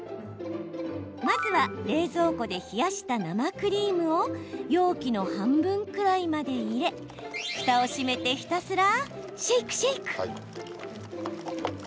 まずは冷蔵庫で冷やした生クリームを容器の半分くらいまで入れふたを閉めてひたすら、シェークシェーク。